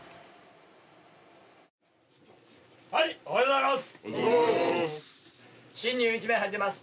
おはようございます。